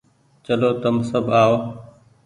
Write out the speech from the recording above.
چلو تم سب آئو۔